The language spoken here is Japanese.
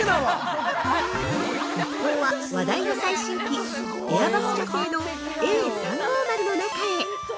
一行は、話題の最新機エアバス社製のＡ３５０の中へ。